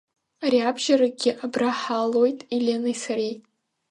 Ариабжьаракгьы абра ҳаалоит Еленеи сареи.